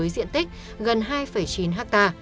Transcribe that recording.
điện tích gần hai chín ha